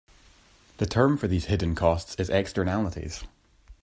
The term for these hidden costs is "Externalities".